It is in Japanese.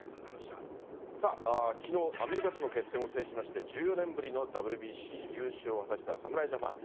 さあ、きのう、アメリカとの決戦を制しまして、１４年ぶりのＷＢＣ優勝を果たした侍ジャパン。